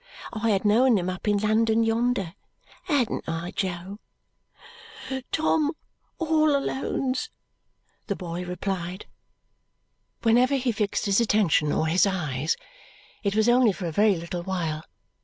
I had known him up in London yonder. Hadn't I, Jo?" "Tom all Alone's," the boy replied. Whenever he fixed his attention or his eyes, it was only for a very little while.